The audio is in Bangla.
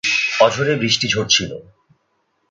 অঝোরে বৃষ্টি ঝরছিল।